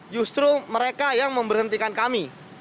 justru mereka yang memberhentikan kami